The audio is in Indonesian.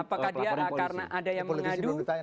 apakah dia karena ada yang mengadu